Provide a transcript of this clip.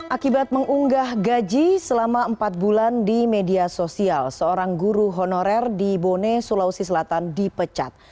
akibat mengunggah gaji selama empat bulan di media sosial seorang guru honorer di bone sulawesi selatan dipecat